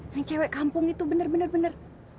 yang cewek kampung itu bener bener bener